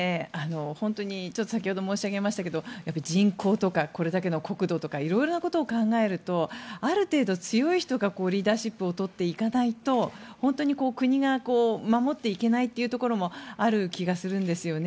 本当に先ほども申し上げましたが人口とか、これだけの国土とかいろいろなことを考えるとある程度、強い人がリーダーシップをとっていかないと国が守っていけないというようなところもあると思うんですね。